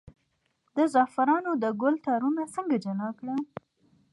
د زعفرانو د ګل تارونه څنګه جلا کړم؟